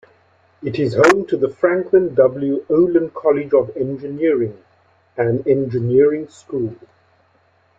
It is home to the Franklin W. Olin College of Engineering, an engineering school.